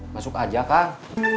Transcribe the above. masuk aja kang